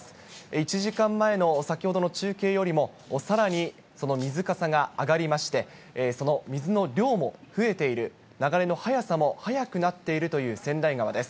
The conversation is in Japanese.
１時間前の先ほどの中継よりも、さらにその水かさが上がりまして、その水の量も増えている、流れの速さも速くなっているという川内川です。